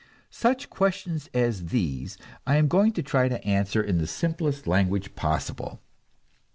Such questions as these I am going to try to answer in the simplest language possible.